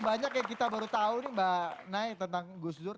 banyak yang kita baru tahu nih mbak nay tentang gus dur